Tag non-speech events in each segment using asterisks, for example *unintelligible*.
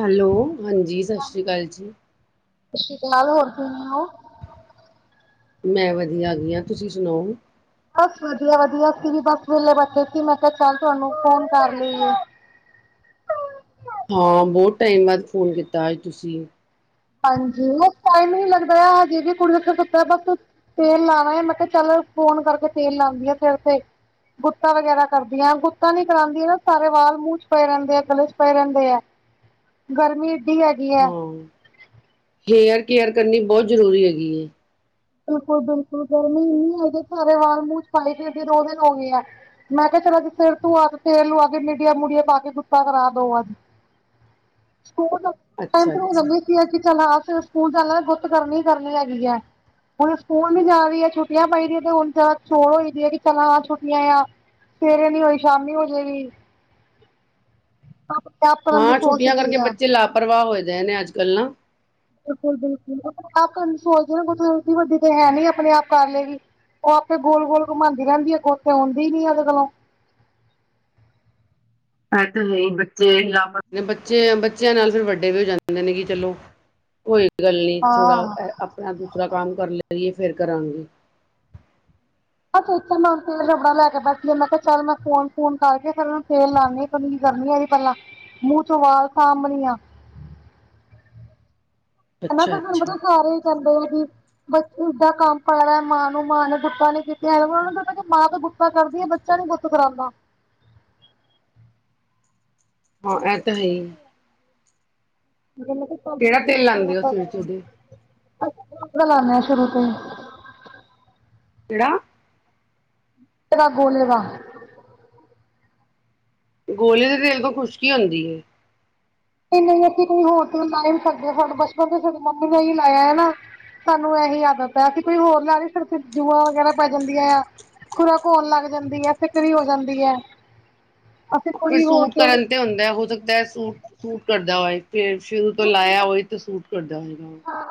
Hello, ਹਾਂਜੀ, ਸਤਿ ਸ਼੍ਰੀ ਅਕਾਲ ਜੀ। ਸਤਿ ਸ਼੍ਰੀ ਅਕਾਲ ਹੋਰ ਕਿਵੇਂ ਹੋ? ਮੈਂ ਵਧੀਆ ਹੈਗੀ ਆ ਹਾਂ ਤੁਸੀਂ ਸੁਣਾਓ? ਬਸ ਵਧੀਆ ਵਧੀਆ ਸੀ ਵੀ ਬਸ ਵਿਹਲੇ ਬੈਠੇ ਸੀ ਮੈਂ ਕਿਹਾ ਚੱਲ ਤੁਹਾਨੂੰ ਫੋਨ ਕਰ ਲਈਏ। ਹਾਂ, ਬਹੁਤ ਟਾਈਮ ਬਾਅਦ ਫੋਨ ਕੀਤਾ ਅਜ ਤੁਸੀਂ। ਹਾਂਜੀ, ਉਹ ਟਾਈਮ ਨੀ ਲੱਗਦਾ ਹਜੇ ਵੀ ਕੁੜੀ ਬਸ ਤੇਲ ਲਾਵਾਂ ਮੈਂ ਕਿਹਾ ਚੱਲ ਫੋਨ ਕਰਕੇ ਤੇਲ ਲਾਉਂਦੀ ਆ ਸਿਰ ਤੇ। ਗੁੱਤਾ ਵਗੈਰਾ ਕਰਦੀਆਂ ਗੁੱਤਾ ਨੀ ਕਰਾਉਦੀਆਂ ਨਾ ਸਾਰੇ ਵਾਲ ਮੂੰਹ ਚ ਪਏ ਰਹਿੰਦੇ ਆ ਗਲ਼ੇ ਚ ਪਏ ਰਹਿੰਦੇ ਹੈ। ਗਰਮੀ। ਏਡੀ ਹੈਗੀ ਹਾਂ ਹੇਅਰ ਕੇਅਰ ਕਰਨੀ ਬਹੁਤ ਜ਼ਰੂਰੀ ਹੈਗੀ ਹੈ। ਬਿਲਕੁਲ ਬਿਲਕੁਲ ਗਰਮੀ ਨੀ ਹੈ ਸਾਰੇ ਵਾਲ ਮੂੰਹ ਚ ਪਾਈ ਫਿਰਦੇ ਦੋ ਦਿਨ ਹੋ ਗਏ ਆ। ਮੈਂ ਕਿਹਾ ਚਲੱ ਅੱਜ ਸਿਰ ਤੂੰ ਆ ਤੇਲ ਲੂਆ ਕੇ ਮੀਡੀਆ ਮੁਡੀਆਂ ਪਾ ਕੇ ਗੁੱਤਾ ਕਰਾ ਦੋ ਅੱਜ। ਸਕੂਲ। ਅੱਛਾ ਟੈਂਥ ਨੂੰ ਅੱਛਾ ਲਾਜ਼ਮੀ ਸੀ ਕਿ ਚੱਲ ਹਾਂ ਸਕੂਲ ਚ ਗੁੱਤ ਕਰਨੀ ਕਰਨੀ ਹੈਗੀ ਹੈ। ਹੁਣ ਸਕੂਲ ਵੀ ਜਾ ਰਹੀ ਹੈ ਛੁੱਟੀਆਂ ਪਈਦੀਆਂ ਤੇ ਹੁਣ ਜਰਾ ਛੋਟ ਹੋਈ ਦੀ ਹੈ ਕਿ ਚੱਲਾਂ ਛੁੱਟੀਆਂ ਆ। ਸਵੇਰੇ ਨੀ ਹੋਈ ਸ਼ਾਮੀ ਹੋਜੇਗੀ। ਆਪ ਕਰਨ ਦੀ ਹਾਂ, ਛੁੱਟੀਆਂ ਸੋਚਦੀ ਕਰਕੇ ਆ। ਬੱਚੇ ਲਾਪਰਵਾਹ ਹੋਏ ਦੇ ਨੇ ਅੱਜ ਕੱਲ੍ਹ ਨਾ। ਬਿਲਕੁਲ ਬਿਲਕੁਲ ਆਪਣੇ ਆਪ ਸੋਚਦੇ ਨੀ ਏਡੀ ਵੱਡੀ ਤੇ ਹੈ ਨੀਆਪਣੇ ਆਪ ਕਰ ਲਏਗੀ। ਉਹ ਆਪੇ ਗੋਲ ਗੋਲ ਘੁੰਮਾਂਦੀ ਰਹਿੰਦੀ ਹੈ ਗੁਤ ਤੇ ਹੁੰਦੀ ਹੀ ਨੀ ਉਹਦੇ ਕੋਲੋਂ। ਪ ਹੀ *inaudible* ਬੱਚੇ ਲਾਭ ਨੇ ਬੱਚੇ ਬੱਚਿਆਂ ਨਾਲ ਫਿਰ ਵੱਡੇ ਵੀ ਹੋ ਜਾਂਦੇ ਨੇ ਕਿ ਚਲੋ। ਕੋਈ ਗੱਲ ਨੀ ਥੋੜਾ ਹਾਂ। ਆਪਣਾ ਦੂਸਰਾ ਕੰਮ ਕਰ ਲੈ ਲਈਏ ਫੇਰ ਕਰਾਂਗੇ। ਆਹ ਇੱਥੇ ਮੈਂੂੰ *inaudible* ਤੇਲ ਰੋਡਾ ਲੈ ਕੇ ਬੈਠਦੀ ਮੈਂ ਕਿਹਾ ਚੱਲ ਮੈਂ ਫੋਨ ਫੂਨ ਕਰਕੇ ਫਿਰਨੂੰ ਤੇਲ ਲਾਉਣੀ। ਕੰਗੀ ਕਰਦੀ ਆ ਇਹਦੀ ਪਹਿਲਾਂ ਮੂੰਹ ਚੋਂ ਵਾਲ ਸਾਂਭਣੀ ਆ। ਹਨਾ ਅੱਛਾ ਤਾਂ ਤੁਹਾਨੂੰ ਅੱਛਾ ਪਤਾ ਸਾਰੇ ਚੱਲਦੇ ਆ ਕਿ ਬ ਦਾ ਕੰਮ ਪ ਰਿ ਹੈ ਮਾਂ ਨੂੰ ਮਾਂ ਨੇ ਬੁੱਟਾ ਨੇ ਕੀਤਾ ਹੈ ਉਹ ਨੂੰ ਮਾਂ ਤੇ ਬੁੱਟ ਾਂ ਕਰਦੀਆਂ ਬੱਚਾ ਨੀ ਪੁੱਤ ਕਰਾਉਂਦਾ ਹਾਂ ਇਹ ਤਾਂ ਹੈ ਜਿਵੇਂ ਕੁ। ਕਿਹੜਾ ਤੇਲ ਲਉਂਦੇ ਹੋ ਸਿਰ ਚ? ਅੱ ਲਾਉੇ ਸ਼ੁਰੂ ਤੇ *inaudible* ਕਿਹੜਾ? ਦਾ ਗੋਲ ਵਾ। ਗੋਲੇ ਦੇ ਤੇਲ ਤੋਂ ਖੁਸ਼ਕੀ ਹੁੰਦੀ ਹੈ। *inaudible* ਸਾਨੂੰ ਇਹੀ ਆਦਤ ਹੈ ਅਸੀਂ ਕੋਈ ਹੋਰ ਲਾ ਲਈਏ ਸਿਰ ਵਿੱਚ ਜੂਆਂ ਵਗੈਰਾ ਪੈ ਜਾਂਦੀਆਂ ਆ। ਖੁਰਕ ਹੋਣ ਲੱਗ ਜਾਂਦੀ ਹੈ ਸਿਕਰੀ ਹੋ ਜਾਂਦੀ ਹੈ। ਅਸੀਂ ਫਿਰ ਕੋਈ ਹੋਰ ਸੂਟ ਕਰਨ ਤੇ ਹੁੰਦਾ ਹੋ ਸਕਦਾ ਸੂਟ ਸੂਟ ਕਰਦਾ ਹੋਏ। ਫ ਸ਼ੁਰੂ ਤੋਂ ਕਿਉਂਕਿ ਲਾਇਆ ਨਾ ਉਹਹੀ ਤੇ ਸੂਟ ਕਰਦਾ ਹੋਏਗਾ ਉਹ ਹਾਂ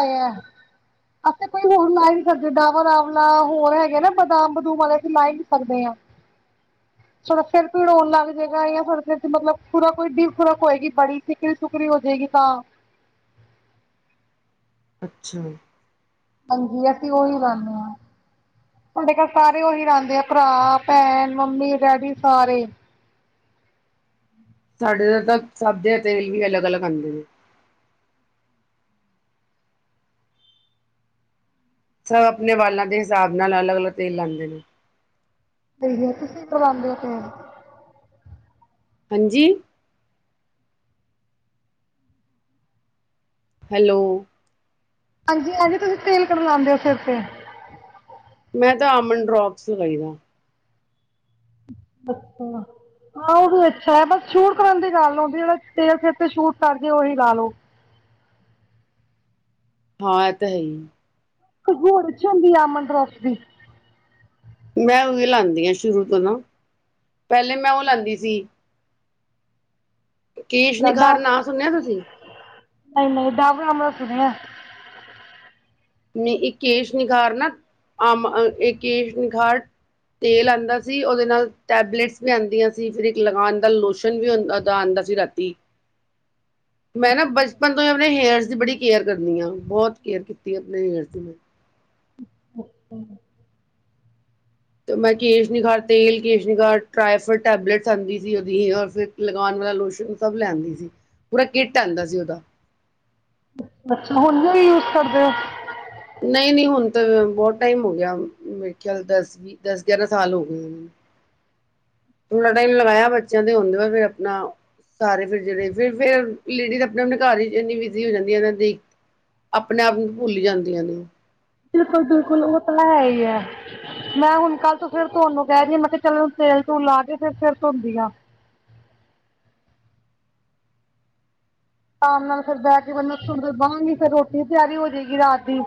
ਆ ਅਸੀਂ ਕੋਈ ਹੋਰ ਲਾ ਨੀ ਸਕਦੇ ਡਵਾਂ ਆਵਲਾ ਹੋਰ ਹੈਗੇ ਨਾ ਬਦਾਮ ਬਦੂਮ ਵਾਲੇ ਅਸੀਂ ਲਾ ਨੀ ਸਕਦੇ ਹਾਂ *unintelligible* *inaudible* ਥੋੜਾ ਫਿਰਰਿੜੋਉਣ ਲੱਗ ਜਏਗਾ ਜਾਂ ਥੋੜਾਿਰ ਮਤਲਬ ਪੂਰਾ ਕੋਈ ਦੀ ਕੋ ਹੋਏਗੀ ਬੜੀ ਸਕਰੀ ਸੁਕਰੀ ਹੋ ਜਾਏਗੀ ਤਾਂ ਅੱਛਾ ਜ ਹਾਂਜੀ ਅਸੀਂ ਉਓਹੀ ਬਨਦੇ ਹਾਂ ਤੁਹਾਡੇ ਘਰ ਸਾਰੇ ਉਹੀ ਰਹਦੇ ਆ ਭਰਾ ਭੈਣ ਮੰਮੀ ਡੈਡੀ ਸਾਰੇ ਸਾਡੇ ਤਾਂ ਤਾਂ ਸਦੇ ਤੇਲ ਵੀ ਅਲੱਗ ਅਲੱਗ ਆਉਂਦੇ ਨੇ ਸਭ ਆਪਣੇ ਵਾਲਾਂ ਦੇ ਹਿਸਾਬ ਨਾਲ ਅਲੱਗ ਅਲੱਗ ਤੇਲ ਲਾਂਦੇ ਨੇ ਦੇਖ ਤੁਸੀਂ ਕਰਵਾਉਂਦੇ ਹੋ ਫਰ ਹਾਂਜੀ ਹੈਲੋ ਹਾਂਜੀ ਹਾਂਜੀ ਤੁਸੀਂ ਤੇਲ ਕਢਵਾਉਂਦੇ ਹੋ ਸਿਰ ਤੇ ਮੈਂ ਤਾਂ ਆਮਨ ਡਰੋਪਸ ਲਗਾਈ ਦਾ ਬੱੱਕ ਹਾਂ ਉਹ ਵੀ ਅੱਛਾ ਹੈ ਬਸ ਛੂਟ ਕਰਨ ਦੀ ਗ ਲਦੀ ਜਿਹੜਾ ਤੇਲ ਸੇਿਰ ਤੇ ਛੂਟ ਕਰਕੇ ਉਹੀ ਲਾ ਲੋਓ ਹਾਂ ਆ ਤਾਂ ਹੈ ਹੀ ਘਗੂੂਰ ਚ ਹੁੰਦੀ ਆ ਅਮਨ ਰੋਸ ਦੀ ਮੈਂ ਉਹੀ ਲਾਉਂਦੀ ਹਾਂ ਸ਼ੁਰੂ ਤੋਂ ਨਾ ਪਹਿਲੇ ਮੈਂ ਉਹ ਲਾਉਂਦੀ ਸੀ ਕੀ ਡਵ ਨਿਖਾਰ ਨਾਂ ਸੁਣਿਆ ਤੁਸੀਂ ਨਹੀਂ ਨਹੀਂ ਡਬਰਮਣਾ ਸੁਣਿਆ ਮ ਇੱਕਸ਼ ਨਿਖਾਰ ਨਾ ਆਮ ਇੱਕਕੇਸ਼ ਨਿਖਾਰ ਤੇਲ ਆਉਂਦਾ ਸੀ ਉਹਦੇ ਨਾਲ ਟੈਬਲੇਟਸ ਵੀ ਆਉਂਦੀਆਂ ਸੀ ਫਿਰ ਇੱਕ ਲਗਉਣ ਦਾ ਲੋਸ਼ਨ ਵੀਦਾ ਆਉਂਦਾ ਅਜ ਰਾਤੀ ਮੈਂ ਨਾ ਬਚਪਨ ਤੋਂ ਹੀ ਆਪਣੇ ਹੇਅਰਸ ਦੀ ਬੜੀ ਕੇਅਰ ਕਰਨੀ ਆ ਬਹੁਤ ਕੇਅਰ ਕੀਤੀ ਆਪਣੇਰਥੈਂ ਤੇ ਮੈਂ ਕੇਸ਼ ਨਿ ਘਰ ਤੇਲ ਕੇਸ਼ ਨਿ ਘ ਟਰਾਫੂ ਟੈਬਲੇਟਸ ਆਉਂਦੀ ਸੀ ਉਹਦੀ ਰ ਫਿਰ ਲਗਾਉਣ ਵਾਲਾ ਲੋਸ਼ਨ ਸਭ ਲੈਂਂਦੀ ਸੀ ਪੂਰਾ ਕਿੱਟ ਆਉਂਦਾ ਸੀ ਉਹਦਾ ਬੱਚਾ ਹਣੀਆਂ ਵੀ ਯੂਜ ਕਰਦੇ ਆ ਨਹੀਂ ਨਹੀਂ ਹੁਣ ਤਾਂ ਬਹੁਤ ਟਾਈਮ ਹੋ ਗਿਆ ਮੇਰੇ ਖਿਆਲ ਦਸ ਵੀ ਦਸ ਗਿਆਰਾਂ ਸਾਲ ਹੋ ਗਏ ਥੋ੍ਹਾ ਟਾਈਮ ਲਗਾਇਆ ਬੱਚਿਆਂ ਦੇ ਹੁੰਦੇ ਵ ਫੇਿਰ ਆਪਣਾ ਸਾਰੇ ਫਿਰ ਜਿਹੜੇ ਫਿਰ ਫਿਰਰ ਲੇਡੀਜ਼ ਆਪਣੇ ਆਪਣੇ ਘਰ ਹੀ ਇੰਨੀ ਬਿਜ਼ੀ ਹੋ ਜਾਂਦੀ ਹੈ ਇਹਨਾਂ ਦੀ ਆਪਣੇ ਆਪ ਨੂੰ ਭੁੱਲ ਜਾਂਦੀਆਂ ਨੇ ਬਿਲਕੁਲ ਬਿਲਕੁਲ ਉਹ ਤਾਂਲਾ ਹੈ ਹੀ ਆ ਮੈਂ ਹੁਣ ਕੱਲ ਤੋਂ ਫੇਰ ਧੋਣ ਨੂੰ ਕਹਿ ਰਹੀ, ਮੈਂ ਕਿਹਾ ਚਲ ਤੇਲ ਤੂਲ ਲਾ ਕੇ ਫਿਰ ਫਿਰ ਧੋਂਦੀ ਆ ਆਮ ਨਾਲ ਫਿਰ ਬਹਿ ਕੇ ਮਨ ਫਿਰ ਬਹਾਂਗੀ ਫਰ ਰੋਟੀ ਵੀ ਤਿਆਰੀ ਹੋ ਜਾਏਗੀ ਰਾਤ ਦੀ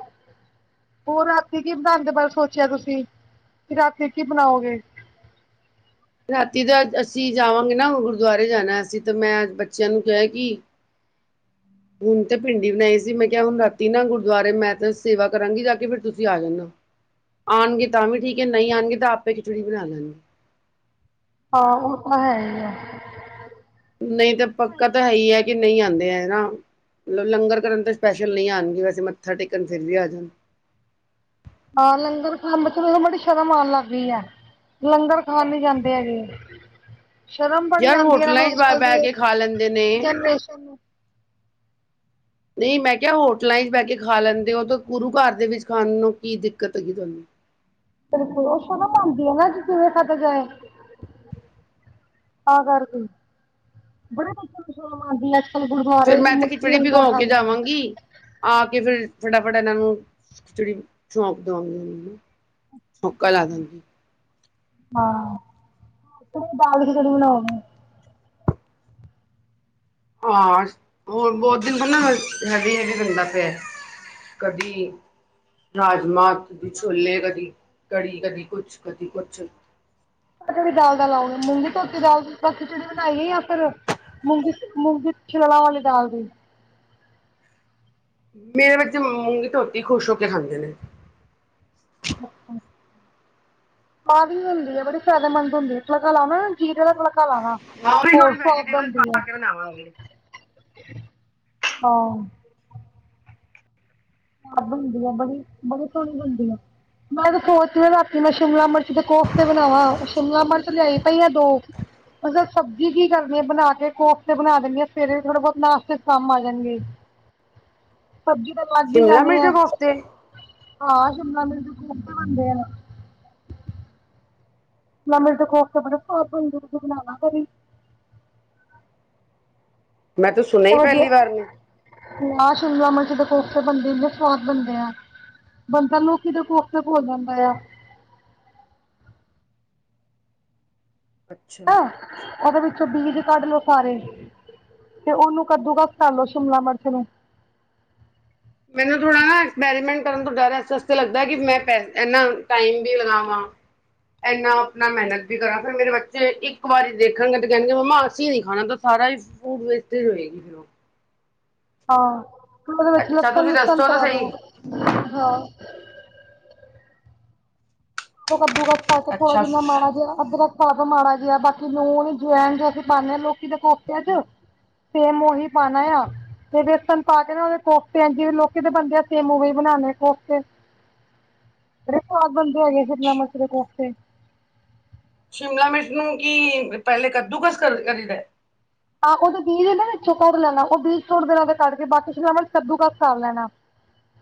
ਉਹ ਰਾਤੀ ਕੀ ਬਣਾਉਣ ਦੇ ਬਾਰੇ ਸੋਚਿਆ ਤੁਸੀਂ ਕਿ ਰਾਤੀ ਕੀ ਬਣਾਓਗੇ, ਰਾਤੀ ਦਾ ਅਸੀਂ ਜਾਵਾਂਗੇ ਨਾ ਗੁਰਦੁਆਰੇ ਜਾਣਾ ਅਸੀਂ ਤਾਂ ਮੈਂ ਬੱਚਿਆਂ ਨੂੰ ਕਿਹਾ ਕਿ *unintelligible* *inaudible* ਹੁਣ ਤੇ ਭਿੰਡੀ ਬਣਾਈ ਸੀ ਮੈਂ ਕਿਹਾ ਹੁਣ ਰਾਤੀ ਨਾ ਗੁਰਦੁਆਰੇ ਮੈਂ ਤਾਂ ਸੇਵਾ ਕਰਾਂਗੀ ਜਾ ਕੇ ਫਿਰ ਤੁਸੀਂ ਆ ਜਾਂਣਾ। ਆਣਗੇ ਤਾਂ ਵੀ ਠੀਕ ਐ ਨਹੀਂ ਆਣਗੇ ਤਾਂ ਆਪੇ ਖਿਚੜੀ ਬਣਾ ਲੈਣਗੇ। ਆਹੋ ਉਹ ਤਾਂ ਹੈ ਹੀ ਆ। ਨਹੀਂ ਤਾਂ ਪੱਕਾ ਤਾਂ ਹੈ ਹੀ ਆ ਕਿ ਨਹੀਂ ਆਂਦੇ ਹਨਾ? ਲ ਲੰਗਰ ਕਰਨ ਤਾਂ ਸਪੈਸ਼ਲ ਨਹੀਂ ਆਣਗੇ ਵੈਸੇ ਮੱਥਾ ਟੇਕਣ ਫਿਰ ਵੀ ਆ ਜਾਣ। ਹਾਂ ਲੰਗਰ ਖਾਣ ਮੈਥੋਂ ਬੜੀ ਸ਼ਰਮ ਆਣ ਲੱਗ ਪਈ ਆ। ਲੰਗਰ ਖਾਣ ਨੀ ਜਾਂਦੇ ਹੈਗੇ। ਸ਼ਰਮ ਬੜੀ ਯਾਰ ਆਂਦੀ ਐ ਇਹ ਨੂੰ ਹੋਟਲਾਂ ਚ ਅੱਜ ਬ ਕੱਲ ਬਹਿ ਦੀ ਕੇ ਖਾ ਲੈਂਦੇ ਨੇ ਜਨਰੇਸ਼ਨ ਨੂੰ। *inaudible* ਨਹੀਂ ਮੈਂ ਕਿਹਾ ਹੋਟਲਾਂ ਚ ਬਹਿ ਕੇ ਖਾ ਲੈਂਦੇ ਹੋ ਤਾਂ ਗੁਰੂ ਘਰ ਦੇ ਵਿੱਚ ਖਾਣ ਨੂੰ ਕੀ ਦਿੱਕਤ ਹੈਗੀ ਤੁਹਾਨੂੰ। ਤੇ ਲੋਅ ਸ਼ੂਗਰ ਬਣਦੀ ਐ ਨਾ, ਅੱਜ ਕਿਵੇ ਖਾਦਾ ਜਾਏ। ਤਾਂ ਕਰਕੇ, ਬੜੇ ਬੱਚਿਆਂ ਨੂੰ ਸ਼ਰਮ ਆਉਂਦੀ ਆ- ਫ਼ਿਰ ਗੁਰਦੁਆਰੇ ਫੇਰ ਵੀ ਮੈਂ ਤਾਂ ਖਿਚੜੀ ਭਿਗੋ ਕੇ ਜਾਵਾਂਗੀ ਆ ਕੇ ਫਿਰ ਫਟਾਫਟ ਇਹਨਾਂ ਨੂੰ ਜਿਹੜੀ ਛੌਪ ਦਵਾਂਗੀ। ਸੁੱਕਾ ਲਾ ਦਿੰਦੀ। ਹਾਂ ਦਾਲ ਕਿਜੜੀ ਬਣਾਓਗੇ, ਹਾਂ ਹੋ ਬਹੁਤ ਦਿਨ ਪਹਿਲ ਹੈਗੇ ਹੈ ਫਿਰ *inaudible* ਰਾਜਮਾਂ ਕਦੀ ਛੋਲੇ ਕਦੀ ਕੜੀ ਕਦੀ ਕੁਛ ਕਦੀ ਕੁਛ, ੜੀ ਦਾਲ ਦਾ ਲਾਉਗੇ ਮੂੰਗੀ ਧੋਤੀ ਦਾਲ ਖੀਚੜੀ ਬਣਾਈਏ ਜਾਂ ਫਿਰ ਮੂੰਗੀ ਮੂੰਗੀ ਛਿਲਾ ਵਾਲੀ ਦਾਲ ਦੀ ਮੇਰੇ ਬੱਚੇ ਮੂੰਗੀ ਰੋਟੀ ਖੁਸ਼ ਹੋ ਕੇ ਖਾਂਦੇ ਨੇ, *inaudible* ਕਾਫੀ ਹੁੰਦੀ ਐ ਬੜੀ ਜਿਆਦਾ ਮੰਗ ਹੁੰਦੀ ਐ, ਤੜਕਾ ਲਾ ਦਾ ਜੀਰੇ ਦਾ ਤਲ- ਤੜਕਾ ਲਾ ਦਾ ਥੋੜੀ ਹੋਰ ਥੋੜੀ ਸਵਾਦ ਵੈਜੀਟੇਬਲ ਬਣਦੀ ਐ। ਪਾ ਕੇ ਬਣਾਵਾਂਗੇ ਹਾ ਸਵਾਦ ਹੁੰਦੀ ਆ ਬੜੀ, ਬੜੀ ਸੋਹਣੀ ਬਣਦੀ ਆ। ਮੈਂ ਤਾਂ ਸੋਚ ਰਹੀ ਮੈਂ ਸ਼ਿਮਲਾ ਮਿਰਚ ਦੇ ਕੋਫ਼ਤੇ ਬਣਾਵਾ, ਸ਼ਿਮਲਾ ਮਿਰਚ ਲਿਆਈ ਪਈ ਆ ਦੋ- ਮਤਲਬ ਸਬਜ਼ੀ ਕੀ ਕਰਨੀ ਆ ਬਣਾ ਕੇ ਕੋਫਤੇ ਬਣਾ ਦਿੰਨੀ ਆ ਸਵੇਰੇ ਥੋੜਾ ਬਹੁਤ ਨਾਸ਼ਤੇ ਕੰਮ ਆ ਜਾਣਗੇ। *inaudible* ਸਬਜ਼ੀ ਦਾ ਵੀ ਸ਼ਿਮਲਾ ਜਾਣੀ ਮਿਰਚ ਐ ਦੇ ਕੋਫਤੇ ਹਾਂ ਸ਼ਿਮਲਾ ਮਿਰਚ ਦੇ ਕੋਫਤੇ ਬਣਦੇ ਐ। ਸ਼ਿਮਲਾ ਮਿਰਚ ਦੇ ਕੋਫਤੇ ਬੜਾ ਸਵਾਦ ਐ, ਤੁਸੀਂ ਬਣਾਣਾ ਕਦੀ। ਮੈਂ ਤੇ ਸੁਣਿਆ ਹੀ ਪਹਿਲੀ ਵਾਰ ਨੇ। ਹਾਂ ਸ਼ਿਮਲਾ ਮਿਰਚ ਦੇ ਕੋਫਤੇ ਬਣਦੇ ਹੁੰਦੇ, ਸਵਾਦ ਬਣਦੇ ਆ। ਬੰਦਾ ਲੋਕੀ ਦੇ ਕੋਫਤੇ ਭੁੱਲ ਜਾਂਦਾ ਐ। ਅੱਛਾ ਅ, ਉਹਦੇ ਵਿੱਚੋਂ ਬੀਜ ਕੱਢ ਲੋੋ ਸਾਰੇ। ਤੇ ਉਹਨੂੰ ਕੱਦੂਕਸ਼ ਕਰਲੋ ਸ਼ਿਮਲਾ ਮਿਰਚ ਨੂੰ- ਮੈਨੂੰ ਥੋੜਾ ਐਕਸਪੈਰੀਮੈਂਟ ਕਰਨ ਤੋਂ ਡਰ ਇਸ ਅਸਤੇ ਲੱਗਦਾ ਕਿ ਮੈਂ ਪੈ ਐਨਾ ਟਾਈਮ ਵੀ ਲਗਾਵਾਂ- ਇੰਨਾ ਆਪਣਾ ਮਿਹਨਤ ਵੀ ਕਰਾਂ ਫਿਰ ਮੇਰੇ ਬੱਚੇ ਇੱਕ ਵਾਰੀ ਦੇਖਣਗੇ ਤੇ ਕਹਿਣਗੇ ਮੰਮਾ ਅਸੀਂ ਨੀ ਖਾਣਾ ਇਹ ਤਾਂ ਸਾਰਾ ਹੀ- ਫੂਡ ਵੇਸਟਏਜ ਹੋਏਗੀ ਫ਼ਿਰ ਉਹ। ਹਾਂ ਉਹ ਦੇ ਵਿੱਚ ਅੱਛਾ ਲਸਣ ਤੁਸੀਂ ਲੁਸਣ ਦੱਸੋ ਤਾਂ ਪਾਲੋ, ਸਹੀ ਹਾਂ। ਉਹ ਕੱਦੂਕਸ ਕਰ ਕੇ ਥੋੜਾ ਅੱਛਾ ਜਿੰਨਾ ਮਾੜਾ ਜਿਹਾ ਅੱਧਰਕ- ਪਾ ਦੋ ਮਾੜਾ ਜਿਹਾ, ਬਾਕੀ ਲੂਣ ਜਵੈਣ ਜੈਸੇ ਪਾਨੇ ਆ ਲੋਕੀ ਦੇ ਕੋਫਤਿਆਂ ਚ- ਸੇਮ ਓਹੀ ਪਾਨਾ? ਤੇ ਬੇਸਨ ਪਾਕੇ ਨਾ ਓਦੇ ਕੋਫਤੇ ਐ ਜਿਵੇਂ ਲੋਕੀ ਦੇ ਬਨਦੇ ਆ, ਸੇਮ ਓਵੇਂ ਹੀ ਬਨਾਨੇ ਆ ਕੋਫਤੇ। ਬੜੇ ਸਵਾਦ ਬਨਦੇ ਹੈਗੇ, ਸ਼ਿਮਲਾ ਮਰਚ ਦੇ ਕੋਫਤੇ। ਸ਼ਿਮਲਾ ਮਿਰਚ ਨੂੰ ਕੀ, ਪੈਲੇ ਕੱਦੂਕਸ ਕਰ ਕਰੀਦੈ? ਆਹ ਉਹਦੇ ਬੀਜ ਇਹ ਨਾ ਵਿੱਚੋਂ ਤੋੜ ਲੈਣਾ ਉਹ ਬੀਜ ਸੁੱਟ ਦੇਣਾ ਕੱਢ ਕੇ ਬਾਕੀ ਸ਼ਿਮਲਾ ਮਿਰਚ ਕੱਦੂ ਕੱਸ ਕਰ ਲੈਣਾ।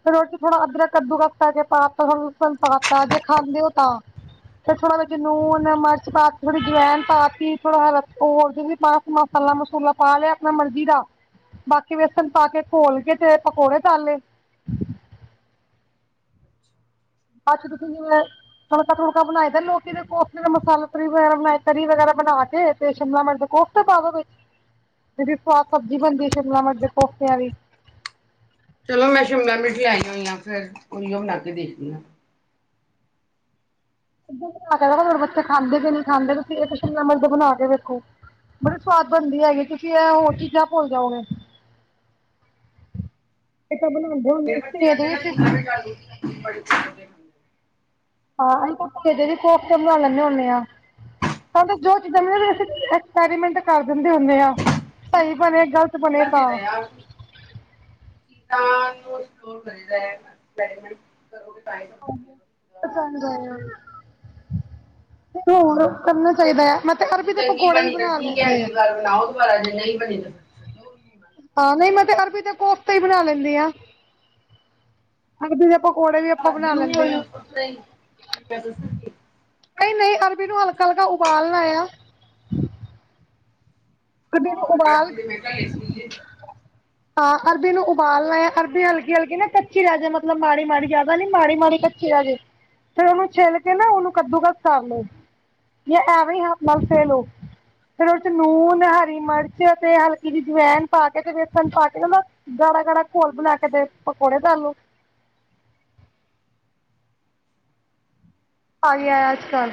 ਫ਼ਿਰ ਉਹ ਚ ਥੋੜਾ ਅਦਰਕ ਕੱਦੂਕੱਸ ਕਰ ਕੇ ਪਾਤਾ ਲਸਣ ਲੁਸਣ ਪਾਤਾ ਜੇ ਖਾਂਦੇ ਉਹ ਤਾਂ। ਫਿਰ ਵਿੱਚ ਥੋੜਾ ਨੂਨ ਮਿਰਚ ਪਾ ਥੋੜੀ ਜਵੈਨ ਪਾ ਤੀ ਥੋੜਾ ਹੋ ਹੋਰ ਸਮਾ- ਮਸਾਲਾ ਮਸੂਲਾ ਪਾ ਲਿਆ ਆਪਣਾ ਮਰਜ਼ੀ ਦਾ- ਬਾਕੀ ਵੇਸਣ ਪਾ ਕੇ ਘੋਲ ਕੇ ਤੇ ਪਕੌੜੇ ਤਲ ਲਏ- ਅੱਜ ਤੁਸੀਂ ਕੀ ਬਣਾਇਆ? ਤੜਕਾ ਤੜਕਾ ਬਣਾਏ ਦਾ ਲੋਕ ਇਹਦੇ ਕੋਲ ਉਸ ਦਾ ਮਸਾਲਾ ਤਰੀ ਵਗੈਰਾ ਬਣਾਏ ਤਰੀ ਵਗੈਰਾ ਬਣਾ ਕੇ ਤੇ ਸ਼ਿਮਲਾ ਮਿਰਚ ਦੇ ਕੋਲ ਦੋ ਵਿੱਚ ਜੜੀ ਸਵਾਦ ਸਬਜ਼ੀ ਬਣਦੀ ਸ਼ਿਮਲਾਂ ਮਰ ਕੋਫਤਿਆਂ ਦੀ ਚਲੋ ਮੈਂ ਸ਼ਿਮਲਾ ਮਿਰਚ ਲੈਕੇ ਆਉਣੀ ਆ ਫਿਰ ਉਹੀਓ ਬਣਾ ਕੇ ਦੇਖਣੀ ਹਾਂ, ਬੱਚੇ ਖਾਂਦੇ ਕਿ ਨ ਨਹੀਂ ਖਾਂਦੇ ਤੁਸੀਂ ਸ਼ਿਮਲਾ ਮਿਰਚ ਬਣਾ ਕੇ ਵੇਖੋ ਬੜੀ ਸਵਾਦ ਬਨਦੀ ਹੈਗੀ, ਤੁਸੀ ਐ ਹੋਰ ਚੀਜਾ ਭੁੱਲ ਜਾਓਗੇ। *inaudible* *unintelligible* ਭੇਜ ਵੀ ਅਸੀਂ *unintelligible* ਹਾਂ, ਹਾਂ ਦੇ ਵੀ ਕੋਫਤੇ ਬਨਾ ਲੈਂਨੇ ਹੁੰਨੇ ਆਂ। *unintelligible* ਐਕਸਪੈਰੀਮੈਂਟ ਕਰ ਦਿੰਦੇ ਹੁੰਨੇ ਆਂ, ਸਈ ਬਨੇ ਗਲ *unintelligible* ਹਾਂ *unintelligible* ਕਰੀਦਾ ਐਕਸਪੈਰੀਮੈਂਟ *unintelligible* ਚਲੇਗਾ *unintelligible* ਚਾਈਦਾ ਐ, ਮੈਂ ਤੇ ਜੇ ਅਰਬੀ ਦੇ ਚੰਗੀ ਪਕੋੜੇ ਵੀ ਬਣੀ ਤਾਂ ਬਣਾ ਠੀਕ ਹੈ ਲੈਂਨੇ ਆ। ਅਗਲੀ ਬਣਾਓ ਦੁਬਾਰਾ ਜੇ ਨਈ ਬਣੀ ਦਾ ਦ *unintelligible* ਹਾਂ, ਨਈ ਮੈਂ ਤੇ ਅਰਬੀ ਤੇ ਕੋਫਤੇ ਈ ਬਣਾ ਲੈਂਦੀ ਆ। ਅਰਬੀ ਦੇ ਪਕੋੜੇ ਵੀ ਆਪਾਂ ਅੱਛਾ ਬਣਾ ਬਿਲੂ ਵੀ ਲੈਂਦੇ ਹੋਈ ਐ। ਉਸ ਤਰ੍ਹਾਂ ਹੀ ਮੈਂ ਦੱਸਣ ਨਈ, ਨਈ ਅਰਬੀ ਨੂੰ ਹਲਕਾ, ਹਲਕਾ ਉਬਾਲਨਾ ਯਾ। ਅਰਬੀ ਨੂੰ ਉਬਾਲ *unintelligible* ਹਾਂ, ਅਰਬੀ ਨੂੰ ਉਬਾਲਨਾ ਯਾ, ਅਰਬੀ ਹਲਕੀ, ਹਲਕੀ ਨਾ ਕੱਚੀ ਰੈਹ ਜੇ ਮਤਲਬ ਮਾੜੀ, ਮਾੜੀ ਜਾਦਾ ਨੀ ਮਾੜੀ, ਮਾੜੀ ਕ ਫੇਰ ਓਨੂੰ ਛੇਲ ਕੇ ਨਾ, ਓਨੂੰ ਕੱਦੂ ਕੱਸ ਕਾਰ ਲੋ ਜਾਂ ਐਵੇ ਈ ਹਾਥ ਨਾਲ ਫੇਲੋ ਫੇਰ ਓਚ ਨੂਨ, ਹਰੀ ਮਰਚ ਤੇ ਹਲਕੀ ਜੀ ਜਵੈਨ ਪਾ ਕੇ ਤੇ *unintelligible* ਗਾੜਾ, ਗਾੜਾ ਘੋਲ ਬਨਾ ਕੇ ਓਦੇ ਪਕੌੜੇ ਤਾਲ ਲੋ। ਆ ਗੇਆ ਆੱਜ-ਕੱਲ,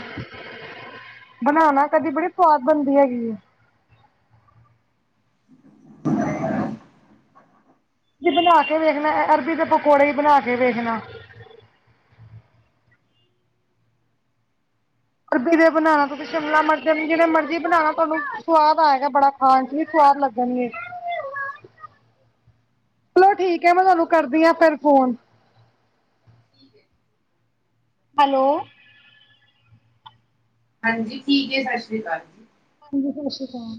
ਬਨਾਨਾ ਕਦੀ ਬੜੀ ਸਵਾਦ ਬਨਦੀ ਹੈਗੀ ਏ। *inaudible* ਲੇਆ ਕੇ ਵੇਖਨਾ, ਅ ਅਰਬੀ ਦੇ ਪਕੌੜੇ ਵੀ ਬਨਾ ਕੇ ਵੇਖਨਾ। ਕੱਦੂ ਦੇ ਬਨਾਲਾ ਤੁਸੀਂ ਸ਼ਿਮਲਾ ਮਰਚ ਦੇ ਵੀ ਜੇੜੇ ਮਰਜੀ ਬਨਾਲਾ਼ ਥੋਨੂੰ, ਸਵਾਦ ਆਏਗਾ ਬੜਾ। ਖਾਨ ਚ ਵੀ ਸਵਾਦ ਲਗਨਗੇ। *inaudible* ਚਲੋ ਠੀਕ ਏ, ਮੈਂ ਥਾਨੂੰ ਕਰਦੀ ਆਂ ਫੇਰ ਫੋਨ। *unintelligible* ਹੈਲੋ ਹਾਂਜੀ ਠੀਕ ਏ, ਸਸ ਸ੍ਰੀ ਕਾਲ। ਹਾਂਜੀ, ਸਾਸ ਸ੍ਰੀ ਕਾਲ।